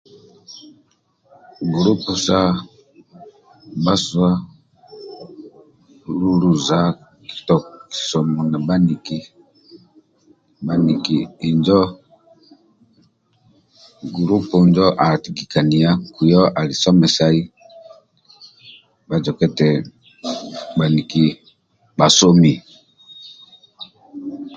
Gulupu sa bhasua luza kisomo kito ndia bhaniki bhaniki injo gulupu gulupu injo ali atikikania kuyo eti eti bhaniki bhasomia